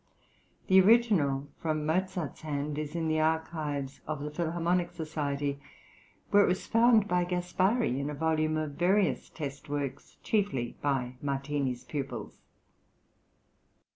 The original from Mozart's hand is in the archives of the Philharmonic Society, where it was found by Gaspari in a volume of various test works chiefly by Martini's pupils.